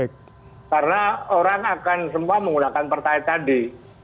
karena orang akan semua menggunakan pertahit tadi